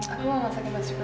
aku mau masak masak